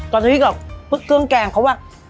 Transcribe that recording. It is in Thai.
กำลังที่แก๊งเขาอะ